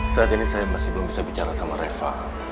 saat ini saya masih belum bisa bicara sama reva